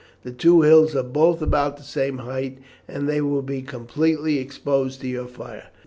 The two hills are both about the same height, and they will be completely exposed to your fire."